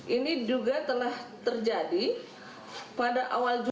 ini juga telah terjadi pada awal juli dua ribu dua puluh